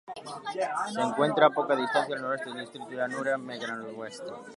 Se encuentra a poca distancia al noroeste del distrito Llanura Lacustre Mecklemburguesa.